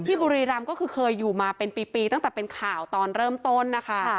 บุรีรำก็คือเคยอยู่มาเป็นปีตั้งแต่เป็นข่าวตอนเริ่มต้นนะคะ